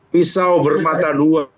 pisau bermata dua